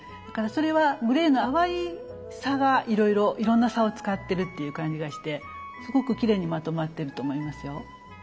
だからそれはグレーの淡い差がいろんな差を使ってるっていう感じがしてすごくきれいにまとまってると思いますよ。